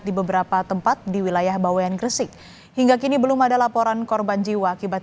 di beberapa tempat di wilayah bawean gresik hingga kini belum ada laporan korban jiwa akibat